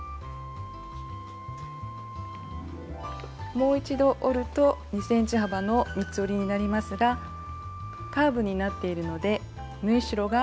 もう一度折ると２ｃｍ幅の三つ折りになりますがカーブになっているので縫い代が余ってきます。